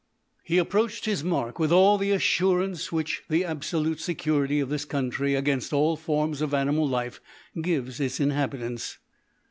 He approached his mark with all the assurance which the absolute security of this country against all forms of animal life gives its inhabitants.